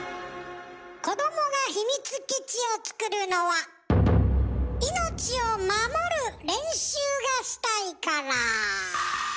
子どもが秘密基地を作るのは命を守る練習がしたいから。